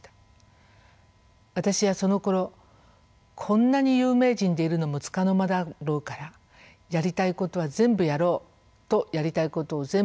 私はそのころ「こんなに有名人でいるのもつかの間だろうからやりたいことは全部やろう」とやりたいことを全部やりました。